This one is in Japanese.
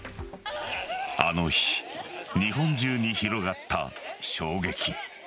あの日日本中に広がった衝撃。